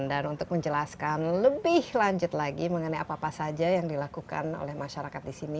dan untuk menjelaskan lebih lanjut lagi mengenai apa apa saja yang dilakukan oleh masyarakat di sini